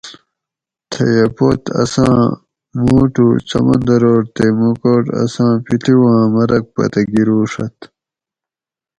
تیہ پت اساں موٹو سمندروٹ تے موکوٹ اساں پڷیوآں مرگ پتہ گروڛت